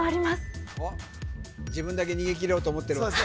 自分だけ逃げ切ろうと思ってる